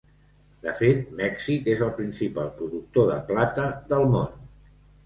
De fet, Mèxic és el principal productor de plata del món.